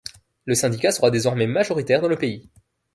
Le syndicat sera désormais majoritaire dans le pays.